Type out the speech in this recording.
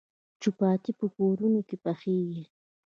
چپاتي په کورونو کې پخیږي.